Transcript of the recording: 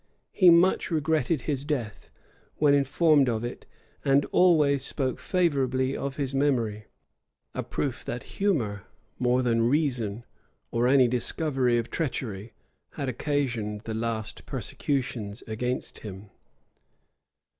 He much regretted his death, when informed of it, and always spoke favorably of his memory; a proof that humor, more than reason, or any discovery of treachery, had occasioned the last persecutions against him.